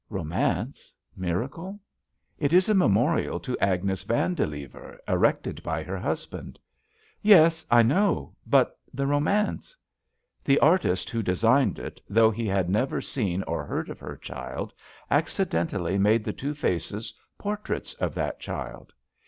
"Romance? Miracle?" It is a memorial to Agnes Vandilever, erected by her husband." "Yes, I know. But the romance ?" "The artist who designed it, though he had never seen or heard of her child, accidentally made the two faces portraits of that child.